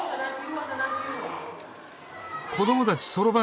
子どもたちそろばん